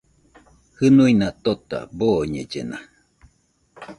Jɨnuina tota boñellena.